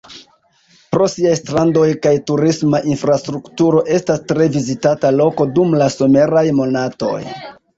Pro siaj strandoj kaj turisma infrastrukturo estas tre vizitata loko dum la someraj monatoj.